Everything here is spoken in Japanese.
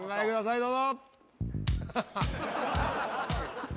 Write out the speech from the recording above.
どうぞ。